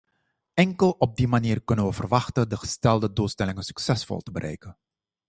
Enkel op die manier kunnen we verwachten de gestelde doelstellingen succesvol te bereiken.